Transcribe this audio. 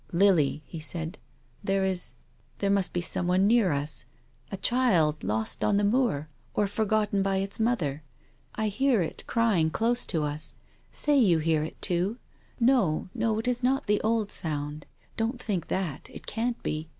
" Lily," he said, " there is — there must be someone near us, a child lost on the moor, or forgotten by its mother. I hear it crying close to 230 TONGUES OF CONSCIENCE. US. Say you hear it too. No, no, it is not the old sound. Don't think that. It can't be.